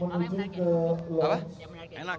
apa yang menarik